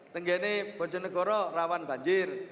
seperti bojonegoro merawat banjir